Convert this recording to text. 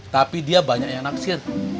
tapi dia banyak yang naksir